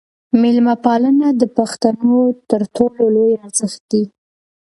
میلمه پالنه د پښتنو تر ټولو لوی ارزښت دی.